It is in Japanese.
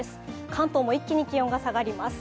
関東も一気に気温が下がります。